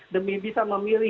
demi bisa memilih